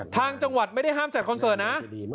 ทางจังหวัดไม่ได้ห้ามจัดคอนเสิร์ตนะ